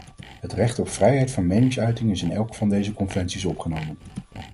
Het recht op vrijheid van meningsuiting is in elk van deze conventies opgenomen.